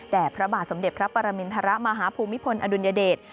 แต่พระบาทสมเด็จพระปรมิณฑระมหาภูมิภลอดุลยเดช